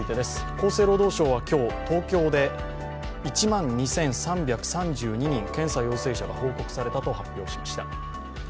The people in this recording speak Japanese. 厚生労働省は今日、東京で１万２３３２人、検査陽性者が報告されたと発表しました。